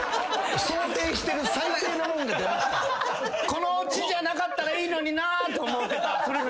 このオチじゃなかったらいいのになと思うてたそれがきた。